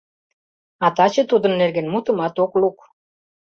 А таче тудын нерген мутымат ок лук.